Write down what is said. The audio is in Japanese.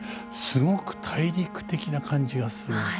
すごく大陸的な感じがする。